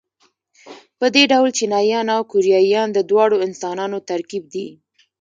په دې ډول چینایان او کوریایان د دواړو انسانانو ترکیب دي.